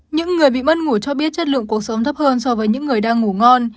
những người bị mất ngủ cho biết chất lượng cuộc sống thấp hơn so với những người đang ngủ ngon